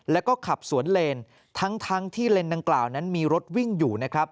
แล้วก็ขับสวนเลนทั้งที่เลนส์ดังกล่าวนั้นมีรถวิ่งอยู่นะครับ